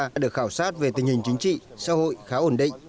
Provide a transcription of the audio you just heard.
đã được khảo sát về tình hình chính trị xã hội khá ổn định